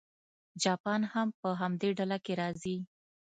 جاپان هم په همدې ډله کې راځي.